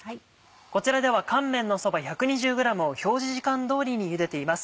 こちらでは乾めんのそば１２０ｇを表示時間通りにゆでています。